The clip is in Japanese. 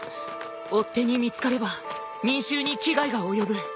追っ手に見つかれば民衆に危害が及ぶ。